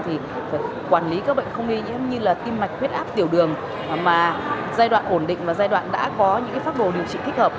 thì phải quản lý các bệnh không nghi nhiễm như là tim mạch huyết áp tiểu đường mà giai đoạn ổn định và giai đoạn đã có những pháp đồ điều trị thích hợp